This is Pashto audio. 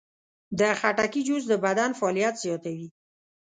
د خټکي جوس د بدن فعالیت زیاتوي.